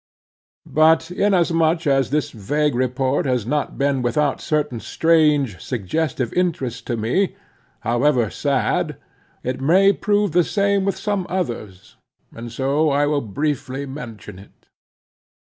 But inasmuch as this vague report has not been without certain strange suggestive interest to me, however sad, it may prove the same with some others; and so I will briefly mention it.